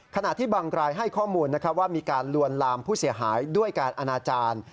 ขณะที่บางรายให้ข้อมูลว่ามีการลวนลามผู้เสียหายด้วยการอนาจารย์